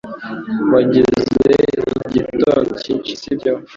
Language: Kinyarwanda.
Wagize igitondo cyinshi sibyo